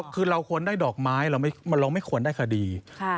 คือเราควรได้ดอกไม้เราไม่ควรได้คดี